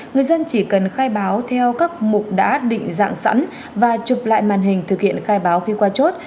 người dân chỉ cần khai báo theo các mục đã định dạng sẵn và chụp lại màn hình thực hiện khai báo khi qua chốt